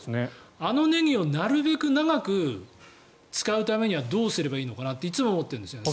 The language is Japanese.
あのネギをなるべく長く使うためにはどうすればいいのかなっていつも思っているんですよね。